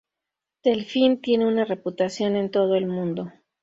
Delfín tiene una reputación en todo el mundo;.